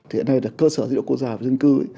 hiện nay cơ sở dữ liệu quốc gia về dân cư